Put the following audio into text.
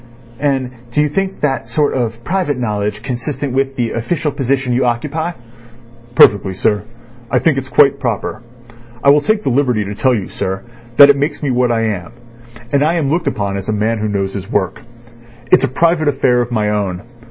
"And do you think that sort of private knowledge consistent with the official position you occupy?" "Perfectly, sir. I think it's quite proper. I will take the liberty to tell you, sir, that it makes me what I am—and I am looked upon as a man who knows his work. It's a private affair of my own.